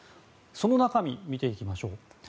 その中身を見ていきましょう。